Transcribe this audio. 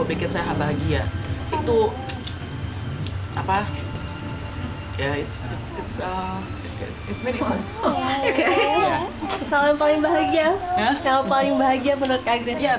it's it's it's it's it's really fun oh oke salam paling bahagia salam paling bahagia menurut kak grace